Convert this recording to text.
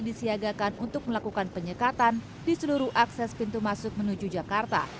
disiagakan untuk melakukan penyekatan di seluruh akses pintu masuk menuju jakarta